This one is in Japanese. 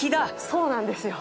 そうなんですよ。